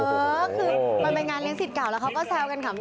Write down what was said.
เออคือมันเป็นงานเลี้ยสิทธิ์เก่าแล้วเขาก็แซวกันขำ